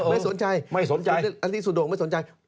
ไม่สนใจอันนี้สุดโด่งไม่สนใจ